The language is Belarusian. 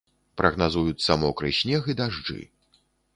Прагназуюцца мокры снег і дажджы.